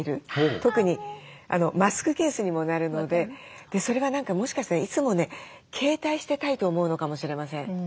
特にマスクケースにもなるのでそれは何かもしかしたらいつもね携帯してたいと思うのかもしれません。